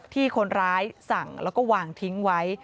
ที่คนร้ายสั่งแล้วก็วางทิ้งไว้